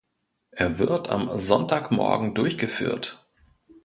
Er wird am Sonntagmorgen durchgeführt.